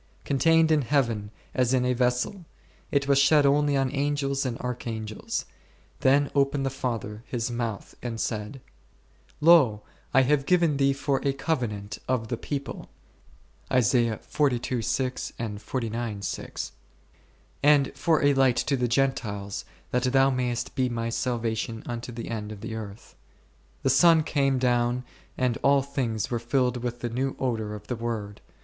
Contained in Heaven as in a vessel, it was shed only on Angels and Arch angels ; then opened the Father His mouth and said, Lo ! I have given Thee for a covenant of the people*, and for a light to the Gentiles, that Thou may est be My salvation unto the end of the earth; the Son came down and all things were filled with the new odour of the Word.